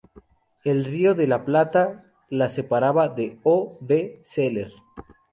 El Río de la Plata la separaba de "O. b. celer".